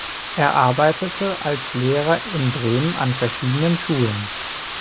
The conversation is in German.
Er arbeitete als Lehrer in Bremen an verschiedenen Schulen.